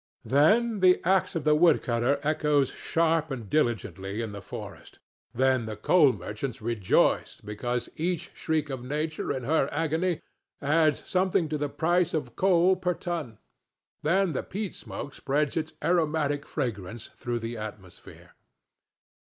Then the axe of the woodcutter echoes sharp and diligently in the forest; then the coal merchants rejoice because each shriek of Nature in her agony adds something to the price of coal per ton; then the peat smoke spreads its aromatic fragrance through the atmosphere.